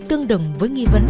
tương đồng với nghi vấn